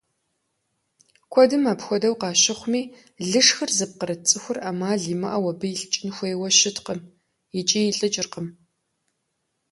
Куэдым апхуэдэу къащыхъуми, лышхыр зыпкърыт цӀыхур Ӏэмал имыӀэу абы илӀыкӀын хуейуэ щыткъым икӀи илӀыкӀыркъым.